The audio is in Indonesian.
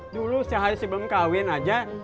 dulu sehari sebelum kawin aja